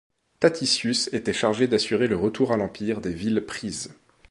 Taticius était chargé d'assurer le retour à l'Empire des villes prises.